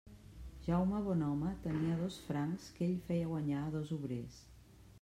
Jaume Bonhome tenia dos francs que ell feia guanyar a dos obrers.